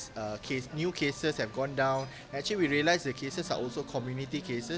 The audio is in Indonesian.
sejak saat pemerintah tniw menunjukkan rencana untuk hidup dengan covid sembilan belas sebagai pandemi ini selalu menjadi rencana